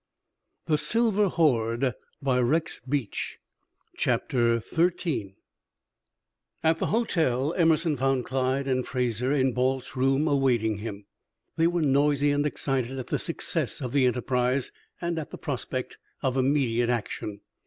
CHAPTER XIII IN WHICH CHERRY MALOTTE BECOMES SUSPICIOUS At the hotel Emerson found Clyde and Fraser in Balt's room awaiting him. They were noisy and excited at the success of the enterprise and at the prospect of immediate action.